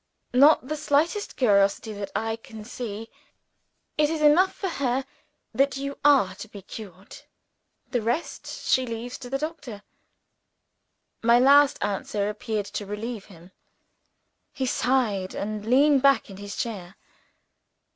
"Not the slightest curiosity that I could see. It is enough for her that you are to be cured. The rest she leaves to the doctor." My last answer appeared to relieve him. He sighed, and leaned back in his chair.